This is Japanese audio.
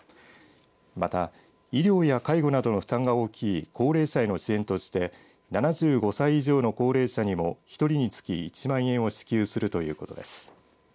また、医療や介護などの負担が大きい高齢者への支援として７５歳以上の高齢者にも１人につき１万円を支給するということです。